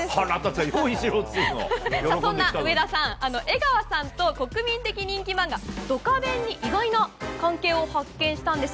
そんな上田さん、江川さんと国民的人気漫画「ドカベン」に意外な関係を発見したんです。